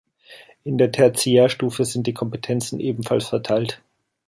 In der Tertiärstufe sind die Kompetenzen ebenfalls verteilt.